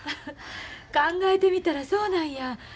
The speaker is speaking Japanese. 考えてみたらそうなんや。